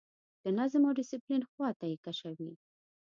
د نظم او ډسپلین خواته یې کشوي.